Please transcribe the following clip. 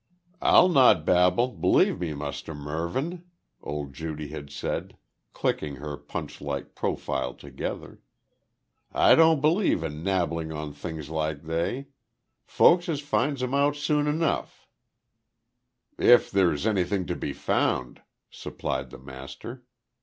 "I'll not nabble, b'lieve me, Mus' Mervyn," old Judy had said, clicking her Punch like profile together, "I don't b'lieve in nabbling on things like they. Folkses finds 'em out soon enough " "If there's anything to be found," supplied the master.